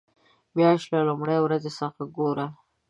مياشت له لومړۍ ورځې څخه ګوره.